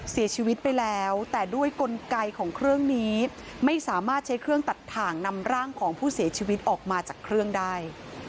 เสียชีวิตไปแล้วแต่ด้วยกลไกของเครื่องนี้ไม่สามารถใช้เครื่องตัดถ่างนำร่างของผู้เสียชีวิตออกมาจากเครื่องได้